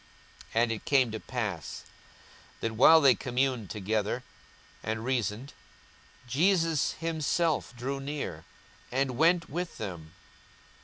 42:024:015 And it came to pass, that, while they communed together and reasoned, Jesus himself drew near, and went with them.